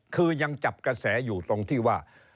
คือยังจับกระแสอยู่ตรงที่ว่า